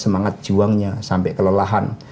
semangat juangnya sampai kelelahan